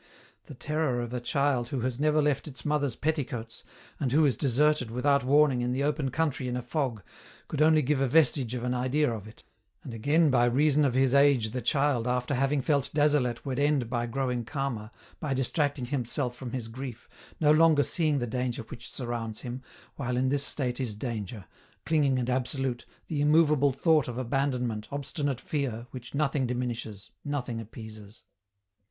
The terror of a child who has never left its mother's petticoats, and who is deserted, without warning, in the open country in a fog, could only give a vestige of an idea of it, and again by reason of his age the child after having felt desolate would end by growing calmer, by distracting himself from his grief, no longer seeing the danger which surrounds him, while in this state is danger, clinging and absolute, the immovable thought of abandonment, obstinate fear, which nothing diminishes, no thing appeases.